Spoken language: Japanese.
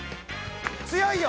強いよ！